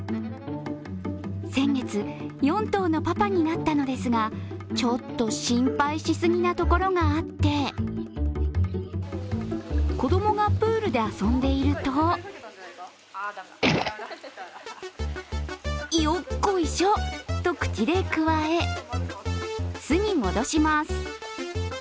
先月４頭のパパになったのですが、ちょっと心配しすぎなところがあって子供がプールで遊んでいるとよっこいしょと口でくわえ、巣に戻します。